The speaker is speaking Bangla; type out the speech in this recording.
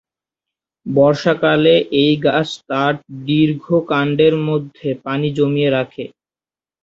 বর্ষাকালে এই গাছ তার দীর্ঘ কাণ্ডের মধ্যে পানি জমিয়ে রাখে।